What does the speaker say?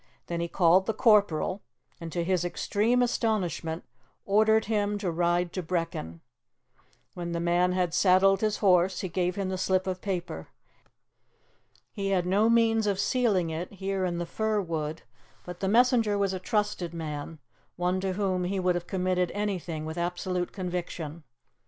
Then he called the corporal, and, to his extreme astonishment, ordered him to ride to Brechin. When the man had saddled his horse, he gave him the slip of paper. He had no means of sealing it, here in the fir wood, but the messenger was a trusted man, one to whom he would have committed anything with absolute conviction.